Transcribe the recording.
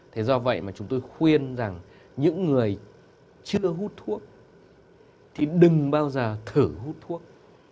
thế do vậy mà chúng tôi khuyên rằng những người chưa hút thuốc thì đừng bao giờ thử hút thuốc